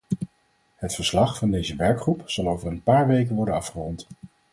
Het verslag van deze werkgroep zal over een paar weken worden afgerond.